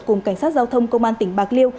cùng cảnh sát giao thông công an tỉnh bạc liêu